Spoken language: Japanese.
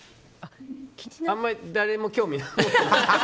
あんまり誰にも興味ない。